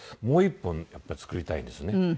もう一本やっぱり作りたいですね。